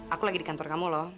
aku lagi di kantor kamu loh